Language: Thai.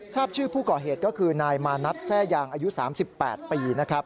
ทราบชื่อผู้ก่อเหตุก็คือนายมานัทแทร่ยางอายุ๓๘ปีนะครับ